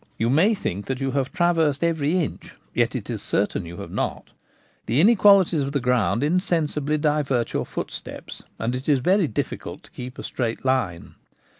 You may think that you have traversed every inch, yet it is certain that you have not ; the inequalities of the ground insensibly divert your footsteps, and it is very difficult to keep a straight line.